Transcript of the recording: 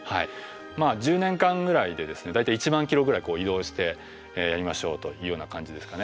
１０年間ぐらいでですね大体１万キロぐらい移動してやりましょうというような感じですかね。